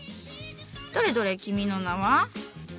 どれどれ君の名は？